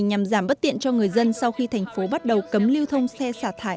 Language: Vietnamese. nhằm giảm bất tiện cho người dân sau khi thành phố bắt đầu cấm lưu thông xe xả thải